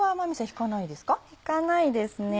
引かないですね